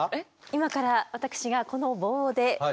今から私がこの棒で怖い！